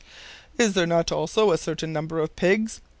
"Is there not also a certain number of pigs?"